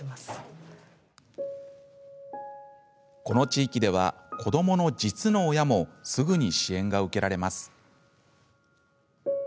この地域では、子どもの実の親もすぐに支援が受けられます。